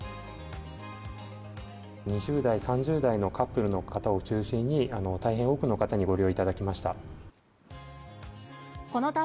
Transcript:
２０代、３０代のカップルの方を中心に、大変多くの方にご利用いただきました。